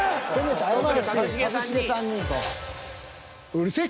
うるせぇ！